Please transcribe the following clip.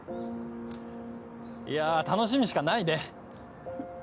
いや楽しみしかないね！